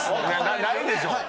ないでしょ？